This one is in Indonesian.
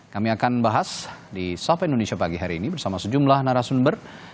kami akan bahas di sapa indonesia pagi hari ini bersama sejumlah narasumber